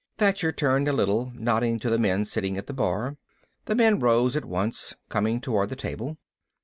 Thacher turned a little, nodding to the men sitting at the bar. The men rose at once, coming toward the table.